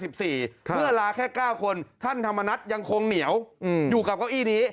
เมื่อลาแค่๙คนท่านธรรมนัฐยังคงเหนียวอยู่กับเก้าอี้นี้